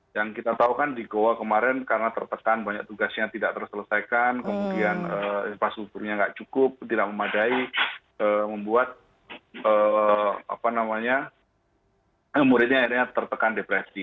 yang kita tahu kan di goa kemarin karena tertekan banyak tugasnya tidak terselesaikan kemudian infrastrukturnya tidak cukup tidak memadai membuat muridnya akhirnya tertekan depresi